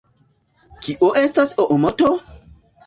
Kio estas Oomoto?